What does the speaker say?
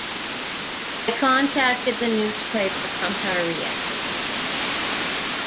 I contacted the newspaper Cumhuriyet.